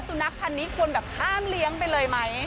สุนัขพันธ์นี้ควรแบบห้ามเลี้ยงไปเลยไหม